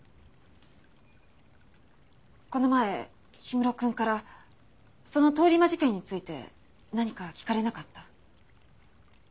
この前氷室くんからその通り魔事件について何か聞かれなかった？